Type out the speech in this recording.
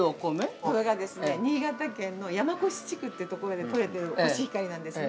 ◆これがですね、新潟県の山古志地区というところでとれているコシヒカリなんですね。